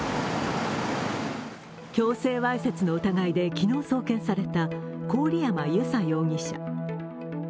強制わいせつの疑いで昨日送検された郡山侑紗容疑者。